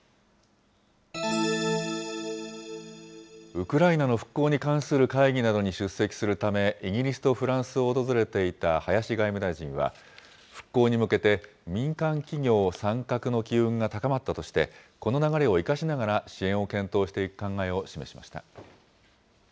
ウクライナの復興に関する会議などに出席するため、イギリスとフランスを訪れていた林外務大臣は、復興に向けて民間企業参画の機運が高まったとして、この流れを生かしながら支援を検討していく考えを示しました。